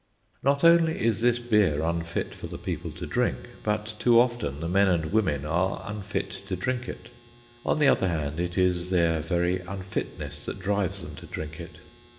Not only is this beer unfit for the people to drink, but too often the men and women are unfit to drink it. On the other hand, it is their very unfitness that drives them to drink it.